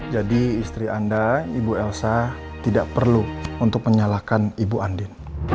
jadi istri anda ibu elsa tidak perlu untuk menyalahkan ibu andin